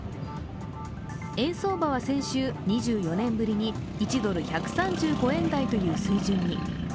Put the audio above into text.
円相場は先週、２４年ぶりに１ドル＝１３５円台という水準に。